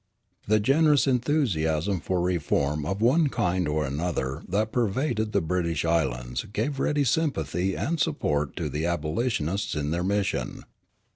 The generous enthusiasm for reform of one kind or another that pervaded the British Islands gave ready sympathy and support to the abolitionists in their mission.